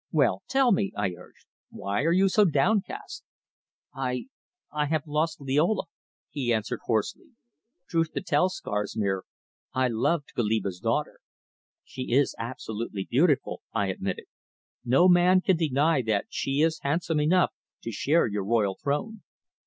"Well, tell me," I urged. "Why are you so downcast?" "I I have lost Liola," he answered hoarsely. "Truth to tell, Scarsmere, I loved Goliba's daughter." "She is absolutely beautiful," I admitted. "No man can deny that she is handsome enough to share your royal throne."